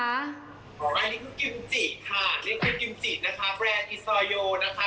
อันนี้คือกิมจิค่ะนี่เป็นกิมจินะคะแบรนด์อิสราโยนะคะ